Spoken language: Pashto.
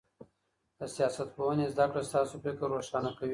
د سياست پوهني زده کړه ستاسو فکر روښانه کوي.